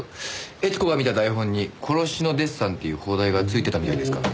悦子が見た台本に『殺しのデッサン』っていう邦題がついてたみたいですから。